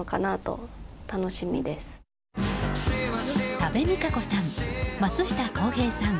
多部未華子さん、松下洸平さん